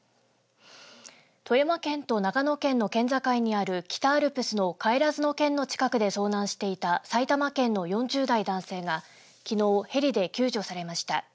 富山県と長野県の県境にある北アルプスの不帰嶮の近くで遭難していた埼玉県の４０代男性がきのうヘリで救助されました。